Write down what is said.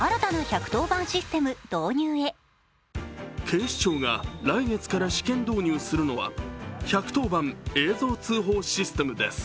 警視庁が来月から試験導入するのは１１０番映像通報システムです。